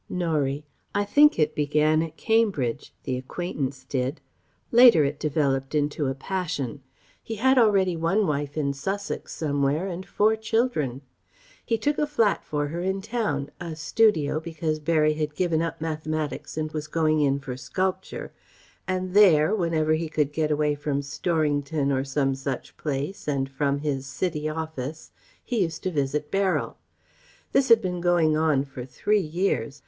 Norie: "I think it began at Cambridge the acquaintance did ... Later, it developed into a passion. He had already one wife in Sussex somewhere and four children. He took a flat for her in Town a studio because Berry had given up mathematics and was going in for sculpture; and there, whenever he could get away from Storrington or some such place and from his City office, he used to visit Beryl. This had been going on for three years.